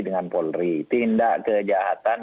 dengan polri tindak kejahatan